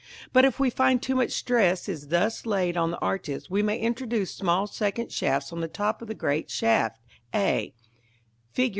But if we find too much stress is thus laid on the arches, we may introduce small second shafts on the top of the great shaft, a, Fig.